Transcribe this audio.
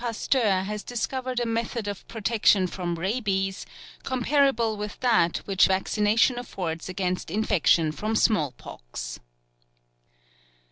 Pasteur has discovered a method of protection from rabies comparable with that which vaccination affords against infection from small pox."